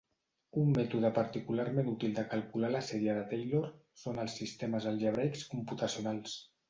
Un mètode particularment útil de calcular la sèrie de Taylor són els sistemes algebraics computacionals.